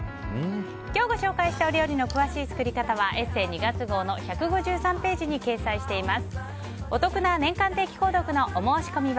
今日ご紹介した料理の詳しい作り方は「ＥＳＳＥ」２月号の１５３ページに掲載しています。